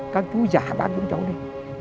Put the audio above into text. các chú giả bác chúng cháu đây